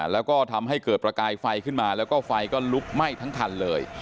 แล้วก็ทำให้เกิดประกายไฟขึ้นมาแล้วก็ไฟก็ลุกไหม้ทั้งคันเลย